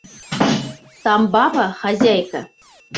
Там баба, хозяйка.